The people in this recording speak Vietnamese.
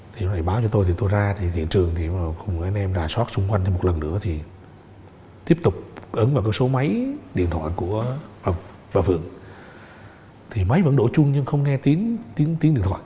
thì báo cho tôi thì tôi ra thì hiện trường thì cùng anh em rà soát xung quanh thêm một lần nữa thì tiếp tục ứng vào cái số máy điện thoại của bà phượng thì máy vẫn đổ chung nhưng không nghe tiếng tiếng điện thoại